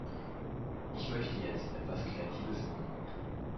Ich möchte jetzt etwas Kreatives tun.